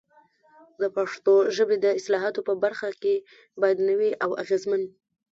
د پښتو ژبې د اصطلاحاتو په برخه کې باید نوي او اغېزمن